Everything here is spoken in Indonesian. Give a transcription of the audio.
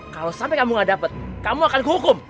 kalau sampai kamu gak dapat kamu akan kehukum